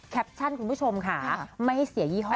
แคปชั่นคุณผู้ชมค่ะไม่เสียยี่ห้อจริง